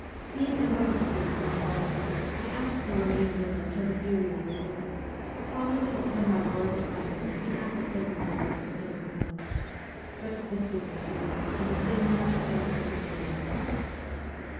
Seeing in what a state my wife was, I asked to remain with her till the burial was over, promising upon my word of honour to be at the prison door at a given hour ; but this was refused, and the same night I was taken to Lyons.